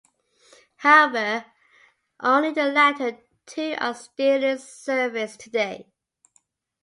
However, only the latter two are still in service today.